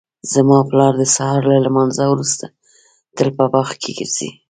زما پلار د سهار له لمانځه وروسته تل په باغ کې ګرځي